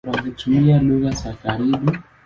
Walitumia lugha za karibu.